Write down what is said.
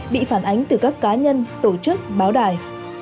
bị phản ánh từ các cá nhân tổ chức báo đài